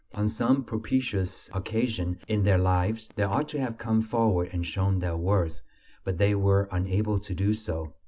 On some propitious occasion in their lives they ought to have come forward and shown their worth, but they were unable to do so.